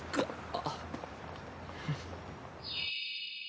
あっ。